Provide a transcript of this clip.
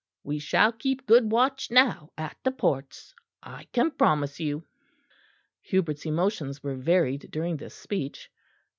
We shall keep good watch now at the ports, I can promise you." Hubert's emotions were varied during this speech.